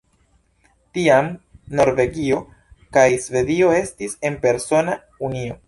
Tiam, Norvegio kaj Svedio estis en persona unio.